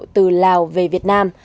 từ lào về việt nam